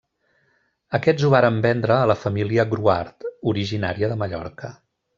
Aquests ho varen vendre a la família Gruart, originària de Mallorca.